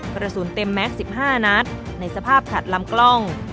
กระสุนเต็มแม็กซ์๑๕นัดในสภาพขัดลำกล้อง